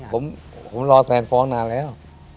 ผมรอแซนฟ้องนานแล้ว